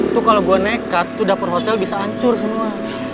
itu kalau gue nekat dapur hotel bisa hancur semua